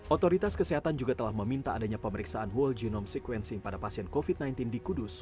otoritas kesehatan juga telah meminta adanya pemeriksaan whole genome sequencing pada pasien covid sembilan belas di kudus